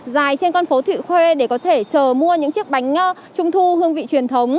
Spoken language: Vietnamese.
dài trên con phố thị khuê để có thể chờ mua những chiếc bánh trung thu hương vị truyền thống